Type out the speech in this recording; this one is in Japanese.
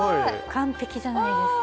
完璧じゃないですか！